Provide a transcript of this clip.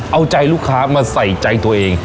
เอาใจลูกค้ามาใส่ใจตัวเอง